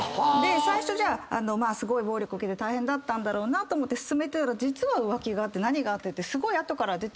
最初すごい暴力受けて大変だったんだろうなと思って進めてたら実は浮気があって何があってって後から出てくる。